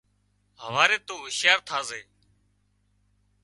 هواري تُون هُوشيار ٿازي